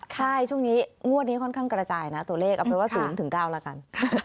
ใช่ช่วงนี้งวดนี้ค่อนข้างกระจายนะตัวเลขเอาเป็นว่า๐๙แล้วกัน